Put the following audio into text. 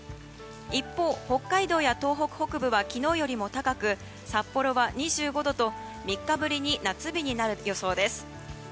一方、北海道や東北北部は昨日よりも高く札幌は２５度と３日ぶりに夏日になる予想です。